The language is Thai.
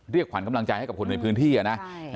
เรียกขวัญกำลังใจให้กับคนในพื้นที่นะ